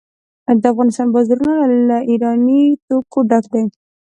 د افغانستان بازارونه له ایراني توکو ډک دي.